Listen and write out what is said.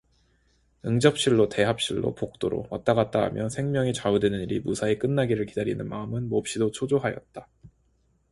응접실로 대합실로 복도로 왔다갔다하며 생명이 좌우되는 일이 무사히 끝나기를 기다리는 마음은 몹시도 초조하였다.